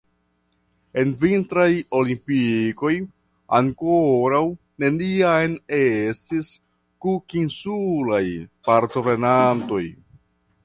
En vintraj olimpikoj ankoraŭ neniam estis kukinsulaj partoprenantoj.